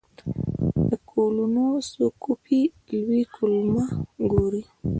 د کولونوسکوپي لوی کولمه ګوري.